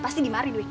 pasti dimari dwi